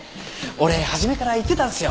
俺初めから言ってたんですよ。